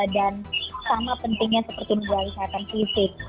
dan sama pentingnya seperti menjaga kesehatan fisik